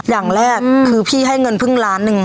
อย่างแรกคือพี่ให้เงินเพิ่งล้านหนึ่ง